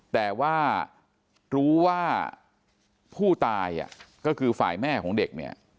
แต่ว่ารู้ว่าผู้ตายก็คือฝ่ายแม่ของเด็กเนี่ย